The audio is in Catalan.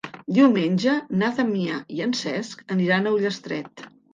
Diumenge na Damià i en Cesc aniran a Ullastret.